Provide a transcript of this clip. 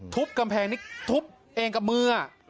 กำแพงนี่ทุบเองกับมือ